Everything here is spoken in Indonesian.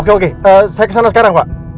oke oke saya kesana sekarang pak